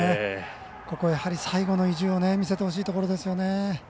ここは、最後の意地を見せてほしいところです。